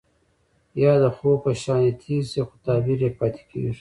يا د خوب په شانې تير شي خو تعبير يې پاتې کيږي.